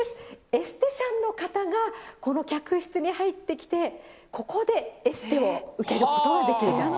エステシャンの方が、この客室に入ってきて、ここでエステを受けることができる部屋。